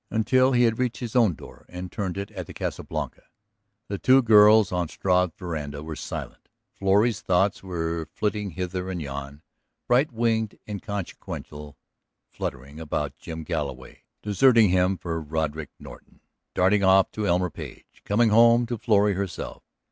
Until he had reached his own door and turned it at the Casa Blanca the two girls on Struve's veranda were silent. Florrie's thoughts were flitting hither and yon, bright winged, inconsequential, fluttering about Jim Galloway, deserting him for Roderick Norton, darting off to Elmer Page, coming home to Florrie herself.